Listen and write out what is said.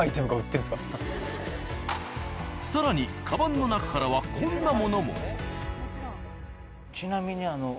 カバンの中からはこんなものも。